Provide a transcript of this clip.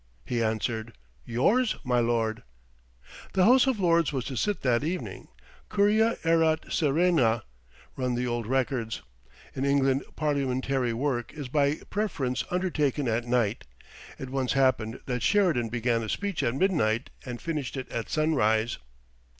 He answered, "Yours, my lord." The House of Lords was to sit that evening. Curia erat serena, run the old records. In England parliamentary work is by preference undertaken at night. It once happened that Sheridan began a speech at midnight and finished it at sunrise.